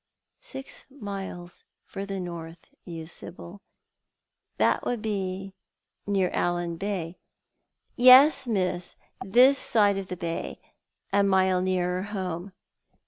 " Six miles further north," mused Sibyl, " that would be near Allan Bay." "Yes, Miss, this side the bay, a mile nearer home."